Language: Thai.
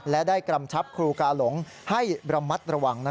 และได้กำชับครูกาหลงให้ระมัดระวัง